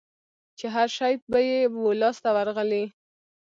چي هرشی به یې وو لاس ته ورغلی